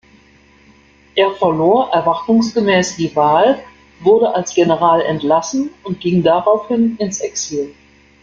Er verlor erwartungsgemäß die Wahl, wurde als General entlassen und ging daraufhin ins Exil.